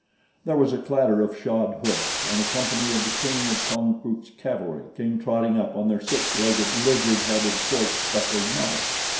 There was a clatter of shod hoofs, and a company of the King of Konkrook's cavalry came trotting up on their six legged, lizard headed, quartz speckled mounts.